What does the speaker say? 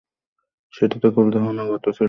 সেটা তো কেবল ধারণাগত ছিল।